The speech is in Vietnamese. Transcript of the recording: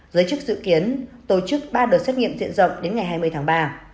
giới chức dự kiến tổ chức ba đợt xét nghiệm diện rộng đến ngày hai mươi tháng ba